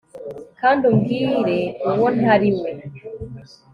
kandi umbwire uwo ntari we